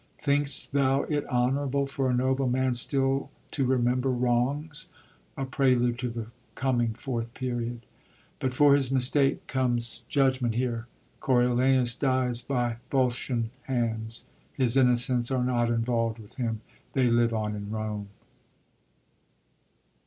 " Think'st thou it honourable for a noble man still to remember wrongs?" a prelude of the coming Fourth Period. But, for his mistake, conies judgment here : Ooriolanus dies by Yolscian hands. His innocents are not involvd with him. They live on in Borne.